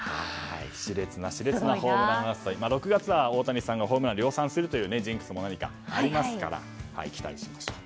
熾烈なホームラン争い６月は大谷選手がホームランを量産するというジンクスもありますから期待しましょう。